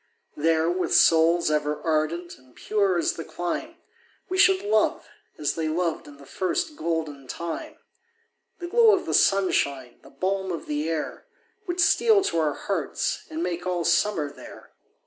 There, with souls ever ardent and pure as the clime, We should love, as they loved in the first golden time; The glow of the sunshine, the balm of the air, Would steal to our hearts, and make all summer there.